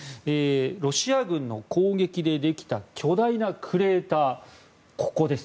ロシア軍の攻撃でできた巨大なクレーター、ここです。